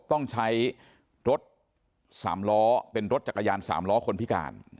ต้องใช้รถ๓ล้อเป็นรถจักรยาน๓ล้อคนพิการ